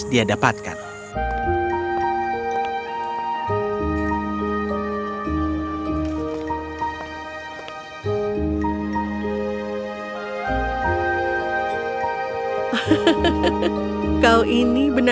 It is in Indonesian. semua orang mulai men